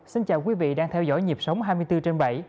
xin chào quý vị đang theo dõi nhịp sống hai mươi bốn trên bảy